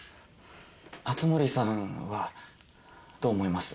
熱護さんはどう思います？